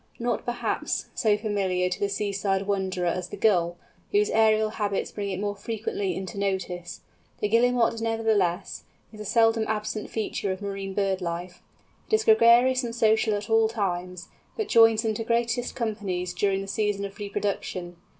Not, perhaps, so familiar to the sea side wanderer as the Gull, whose ærial habits bring it more frequently into notice, the Guillemot, nevertheless, is a seldom absent feature of marine bird life. It is gregarious and social at all times, but joins into greatest companies during the season of reproduction.